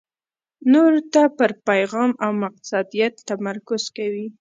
نورو ته پر پېغام او مقصدیت تمرکز کوي.